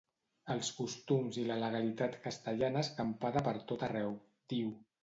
Els costums i la legalitat castellana escampada per tot arreu, diu.